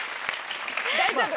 大丈夫。